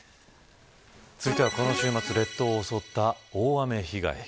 続いては、この週末列島を襲った大雨被害。